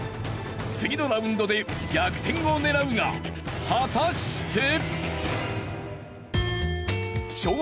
次のラウンドで逆転を狙うが果たして！？